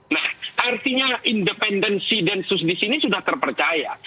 nah artinya independensi densus disini sudah terpercaya